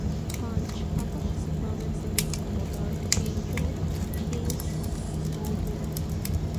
Hutch a participado en series como "Dark Angel" y "Smallville".